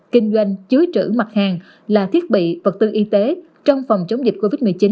kinh doanh chứa trữ mặt hàng là thiết bị vật tư y tế trong phòng chống dịch covid một mươi chín